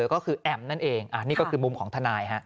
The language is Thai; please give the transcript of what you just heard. ก็คือแอมนั่นเองอันนี้ก็คือมุมของทนายฮะ